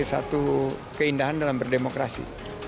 satu keindahan dalam berdemokrasi